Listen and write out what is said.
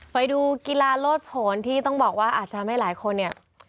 ไปดูกีฬาโลดผลที่ต้องบอกว่าอาจจะทำให้หลายคนเนี่ย